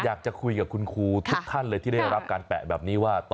อยากจะคุยกับคุณครูทุกท่านเลยที่ได้รับการแปะแบบนี้ว่า